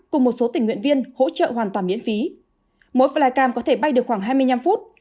cùng một số tình nguyện viên hỗ trợ hoàn toàn miễn phí mỗi flycam có thể bay được khoảng hai mươi năm phút